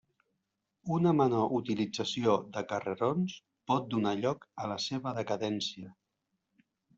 Una menor utilització de carrerons pot donar lloc a la seva decadència.